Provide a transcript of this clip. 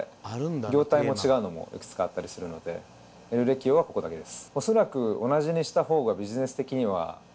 業態も違うのもいくつかあったりするのでＥＬＬｅｑｕｉｏはここだけです。